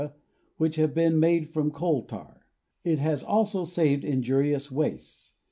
which have been made from coal tar. It has also saved injurious wastes.